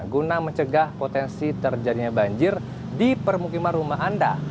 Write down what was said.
guna mencegah potensi terjadinya banjir di permukiman rumah anda